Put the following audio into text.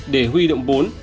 để huy động bốn